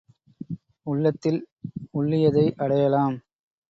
உள்ளத்தில் உள்ளியதை அடையலாம்.